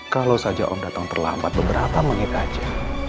kalau saja om datang terlambat beberapa menit aja